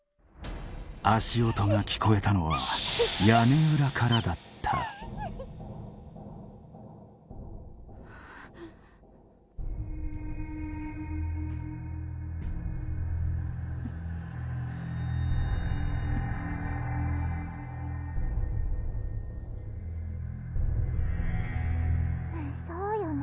足音が聞こえたのは屋根裏からだったそうよね